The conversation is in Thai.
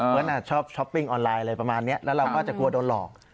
ชอบช้อปปิ้งออนไลน์อะไรประมาณนี้แล้วเราก็จะกลัวโดนหลอก